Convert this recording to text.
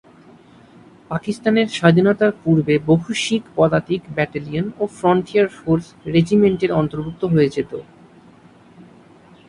পাকিস্তানের স্বাধীনতার পূর্বে বহু শিখ পদাতিক ব্যাটেলিয়ন এই ফ্রন্টিয়ার ফোর্স রেজিমেন্টের অন্তর্ভুক্ত হয়ে যেত।